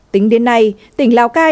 tính đến nay tỉnh lào cai